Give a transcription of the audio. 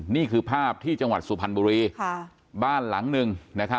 นี่คือภาพที่จังหวัดสุพรรณบุรีบ้านหลังหนึ่ง